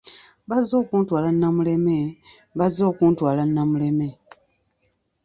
Bazze okuntwala Namuleme, bazze okuntwaa Namuleme